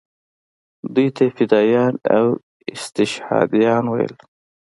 دوی ته یې فدایان یا استشهادیان ویل.